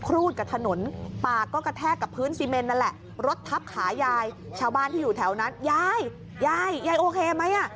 รถทับขายายชาวบ้านที่อยู่แถวนั้นยายยายยายโอเคไหม